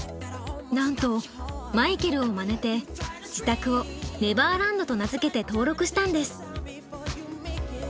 なんとマイケルをまねて自宅をネバーランドと名付けて登録したんです。